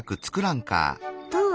どう？